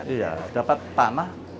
iya dapat tanah